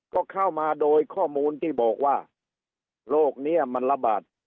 ก็เข้ามาโดยข้อมูลที่บอกว่าโรคนี้มันระบาด